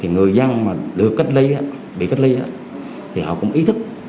người dân bị cách ly thì họ cũng ý thức